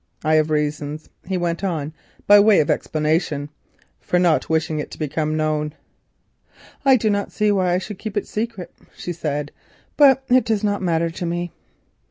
I have reasons," he went on by way of explanation, "for not wishing it to become known." "I do not see why I should keep it secret," she said; "but it does not matter to me."